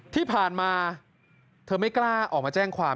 ที่ผ่านมาเธอไม่กล้าออกมาแจ้งความ